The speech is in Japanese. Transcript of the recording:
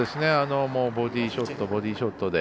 ボディーショットボディーショットで。